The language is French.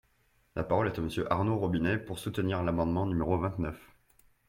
La parole est à Monsieur Arnaud Robinet, pour soutenir l’amendement numéro vingt-neuf.